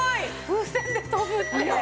風船で飛ぶって。